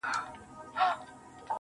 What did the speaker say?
• لكه ملا.